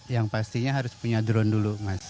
yang pastinya harus punya drone dulu mas